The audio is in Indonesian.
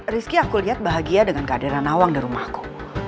rizky aku lihat bahagia dengan keadaan nawang di rumahku